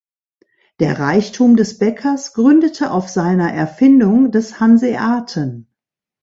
Der Reichtum des Bäckers gründete auf seiner Erfindung des Hanseaten.